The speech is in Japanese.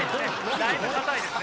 だいぶ硬いですね。